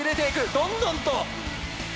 どんどんと！